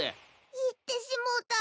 行ってしもうた。